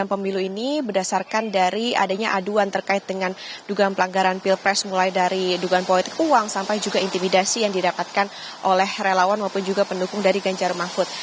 tidak ada intimidasi yang didapatkan oleh relawan maupun juga pendukung dari ganjar mafut